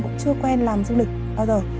cũng chưa quen làm du lịch bao giờ